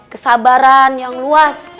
kesabaran yang luas